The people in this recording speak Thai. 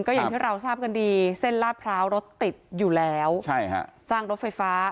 ก็อย่างที่เราทราบกันดีเส้นลาดพร้าวรถติดอยู่แล้วใช่ฮะสร้างรถไฟฟ้า